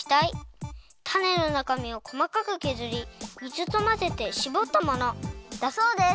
タネのなかみをこまかくけずり水とまぜてしぼったものだそうです。